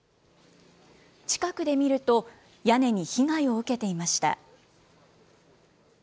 近くで見ると、屋根に被害を受けていました。